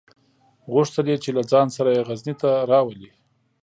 غوښتل یې چې له ځان سره یې غزني ته راولي.